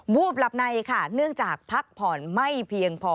วูบหลับในค่ะเนื่องจากพักผ่อนไม่เพียงพอ